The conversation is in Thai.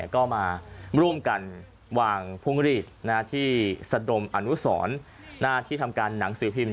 ก็มาร่วมกันวางพุ่งรีดที่สะดมอนุสรหน้าที่ทำการหนังสือพิมพ